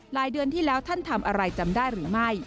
เดือนที่แล้วท่านทำอะไรจำได้หรือไม่